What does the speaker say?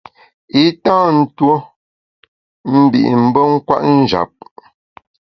I tâ ntuo mbi’ mbe kwet njap.